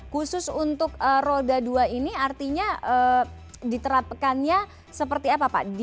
khusus untuk roda dua ini artinya diterapkannya seperti apa pak